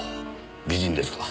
美人ですか？